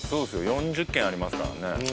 ４０軒ありますからね